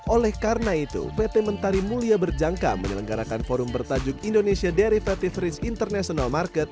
oleh karena itu pt mentari mulia berjangka menyelenggarakan forum bertajuk indonesia derivative risk international market